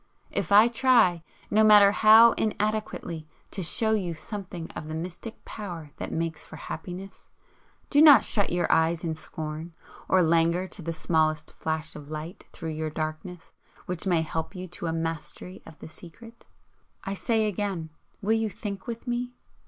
If I try, no matter how inadequately, to show you something of the mystic power that makes for happiness, do not shut your eyes in scorn or languor to the smallest flash of light through your darkness which may help you to a mastery of the secret. I say again Will you THINK with me?